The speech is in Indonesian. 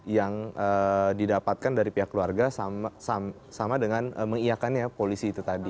yang didapatkan dari pihak keluarga sama dengan mengiakannya polisi itu tadi